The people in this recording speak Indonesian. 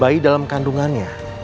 bayi dalam kandungannya